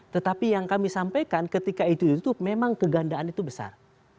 tetapi yang kami sampaikan ketika itu ditutup memang kegandaan itu besar